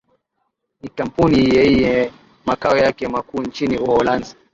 Ni Kmpuni yenye makao yake makuu nchini Uholanzi